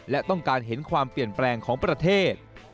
และต้องการเห็นความเปลี่ยนแปลงของประเทศ